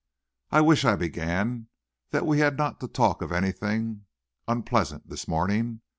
"I wish," I began, "that we had not to talk of anything unpleasant this morning.